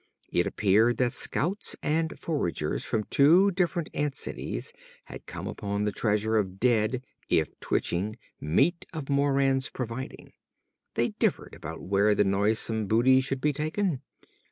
It appeared that scouts and foragers from two different ant cities had come upon the treasure of dead if twitching meat of Moran's providing. They differed about where the noisesome booty should be taken.